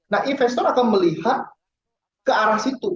nah investor akan melihat ke arah situ